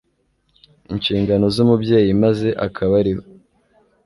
inshingano zumubyeyi maze akaba ari we